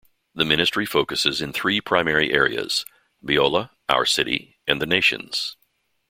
The ministry focuses in three primary areas: Biola, our city, and the Nations.